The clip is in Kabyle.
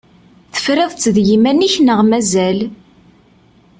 Tefriḍ-tt d yiman-ik neɣ mazal?